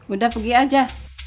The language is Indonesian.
udah pergi aja